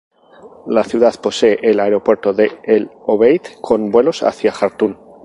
La ciudad posee el aeropuerto de El Obeid, con vuelos hacia Jartum.